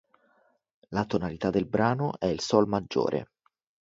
La tonalità del brano è il Sol maggiore.